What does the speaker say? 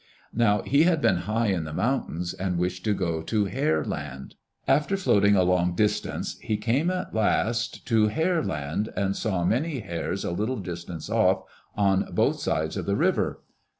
Now he had been high in the mountains and wished to go to Hare Land. After floating a long distance, he at last came to Hare Land and saw many Hares a little distance off, on both sides of the river.